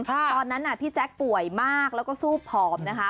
ตอนนั้นพี่แจ๊คป่วยมากแล้วก็สู้ผอมนะคะ